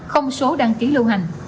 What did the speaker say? không số đăng ký lưu hành